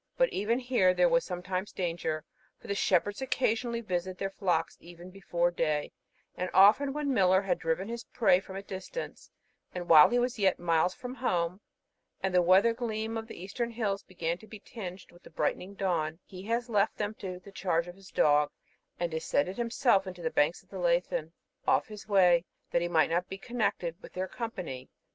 But even here there was sometimes danger, for the shepherds occasionally visit their flocks even before day; and often when Millar had driven his prey from a distance, and while he was yet miles from home, and the weather gleam of the eastern hills began to be tinged with the brightening dawn, he has left them to the charge of his dog, and descended himself to the banks of the Leithen, off his way, that he might not be seen connected with their company.